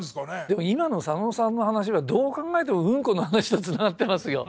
でも今の佐野さんの話はどう考えてもうんこの話とつながってますよ。